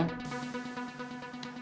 gak usah panik